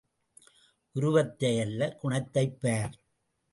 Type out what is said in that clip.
உருவத்தை அல்ல குணத்தைப் பார்.